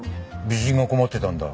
美人が困ってたんだ。